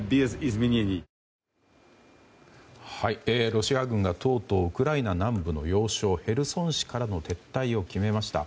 ロシア軍が、とうとうウクライナ南部の要衝ヘルソン市からの撤退を決めました。